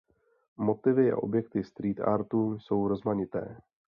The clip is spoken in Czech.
Motivy a objekty street artu jsou rozmanité.